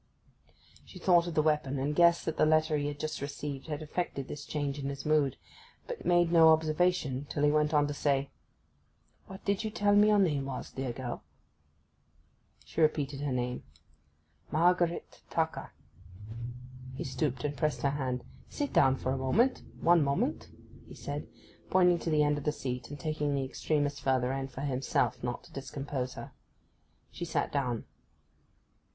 She thought of the weapon, and guessed that the letter he had just received had effected this change in his mood, but made no observation till he went on to say, 'What did you tell me was your name, dear girl?' She repeated her name. 'Margaret Tucker.' He stooped, and pressed her hand. 'Sit down for a moment—one moment,' he said, pointing to the end of the seat, and taking the extremest further end for himself, not to discompose her. She sat down.